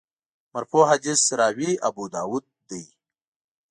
مرفوع حدیث راوي ابوداوود دی.